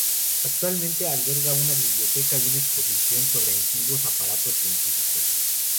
Actualmente alberga una biblioteca y una exposición sobre antiguos aparatos científicos.